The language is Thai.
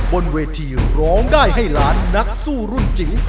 บนเวทีร้องได้ให้ล้านนักสู้รุ่นจิ๋ว